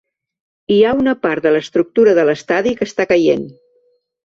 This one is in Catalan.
Hi ha una part de l’estructura de l’estadi que està caient.